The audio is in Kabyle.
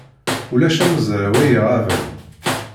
Ulac amezraw ay iɣaben.